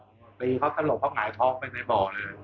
ตีเขาสลบเขาหงายท้องไปในบ่อเลย